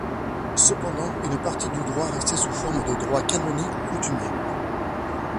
Cependant, une partie du droit restait sous forme de droit canonique ou coutumier.